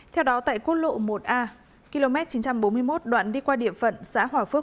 theo đó tại quốc lộ một a km chín trăm bốn mươi một đoạn đi qua địa phận xã hòa phước